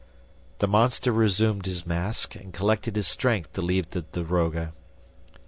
The monster resumed his mask and collected his strength to leave the daroga.